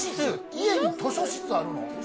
家に図書室あるの？